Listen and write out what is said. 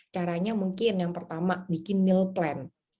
caranya mungkin yang pertama bikin meal plan